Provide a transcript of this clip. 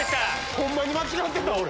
ホンマに間違ってた俺。